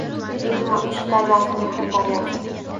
Ilmu ishq daryosi, mehr daryosi